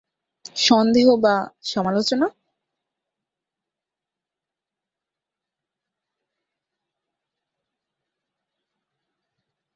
সন্দেহ বা সমালোচনা।